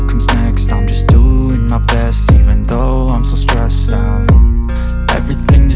sampai jumpa di video selanjutnya